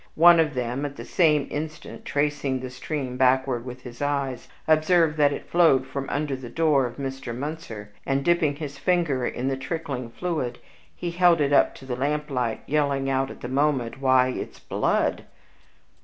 One of them, at the same instant tracing the stream backward with his eyes, observed that it flowed from under the door of Mr. Munzer, and, dipping his finger in the trickling fluid, he held it up to the lamplight, yelling out at the moment, "Why, this is blood!"